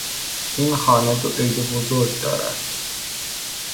این خانه دو عیب بزرگ دارد.